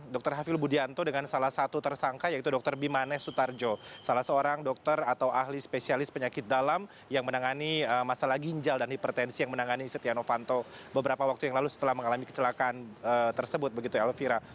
dr hafil budianto dengan salah satu tersangka yaitu dr bimanes sutarjo salah seorang dokter atau ahli spesialis penyakit dalam yang menangani masalah ginjal dan hipertensi yang menangani setia novanto beberapa waktu yang lalu setelah mengalami kecelakaan tersebut begitu elvira